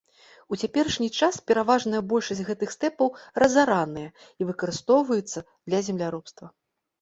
У цяперашні час пераважная большасць гэтых стэпаў разараныя і выкарыстоўваецца для земляробства.